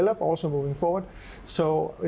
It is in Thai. และการสร้างขึ้นไปต่อไป